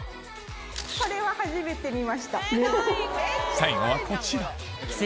最後はこちら奇跡。